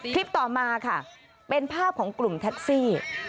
ต่อมาค่ะเป็นภาพของกลุ่มแท็กซี่